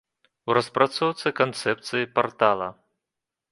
У распрацоўцы канцэпцыі партала.